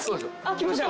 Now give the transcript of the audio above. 来ました